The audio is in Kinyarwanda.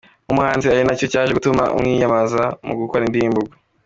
nkumuhanzi ari nacyo cyaje gutuma amwiyambaza mu gukora indirimbo ubwo.